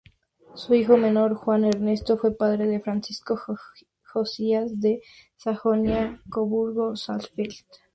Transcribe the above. Su hijo menor Juan Ernesto fue padre de Francisco Josías de Sajonia-Coburgo-Saalfeld.